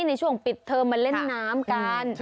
ในช่วงปิดเทอมมาเล่นน้ำกัน